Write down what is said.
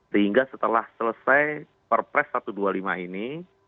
sehingga setelah selesai perpres satu ratus dua puluh lima ini